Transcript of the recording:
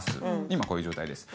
今こういう状態です